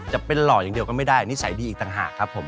จะเป็นหล่ออย่างเดียวก็ไม่ได้นิสัยดีอีกต่างหากครับผม